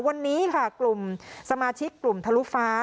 วันนี้ค่ะกลุ่มสมาชิกกลุ่มทะลุฟ้า